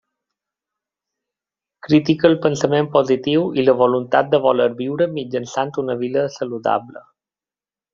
Critica el pensament positiu i la voluntat de voler viure mitjançant una vida saludable.